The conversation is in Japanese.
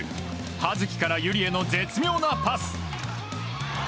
葉月から友理への絶妙なパス。